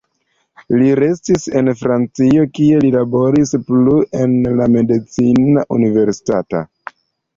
Li restis en Francio, kie li laboris plu en la medicina universitato.